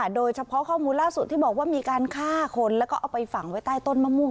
โดยเฉพาะข้อมูลล่าสุดที่บอกว่ามีการฆ่าคนแล้วก็เอาไปฝังไว้ใต้ต้นมะม่วง